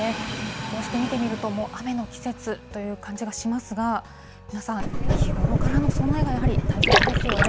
こうして見てみると、もう雨の季節という感じがしますが、皆さん、日頃からの備えがやはり大切ですよね。